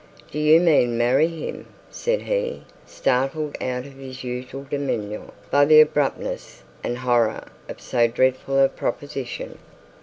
'Do you mean marry him?' said he, startled out of his usual demeanour by the abruptness and horror of so dreadful a proposition.